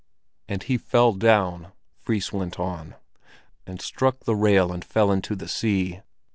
"And he fell down," Fris went on, "and struck the rail and fell into the sea.